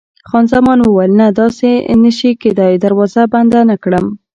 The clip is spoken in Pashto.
خان زمان وویل: نه، داسې نه شي کېدای، دروازه بنده نه کړم.